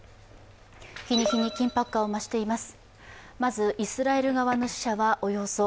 日に日に緊迫感を増しています。